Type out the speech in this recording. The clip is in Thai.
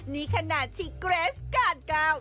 นี่ขนาดที่เกรสกันกล้าว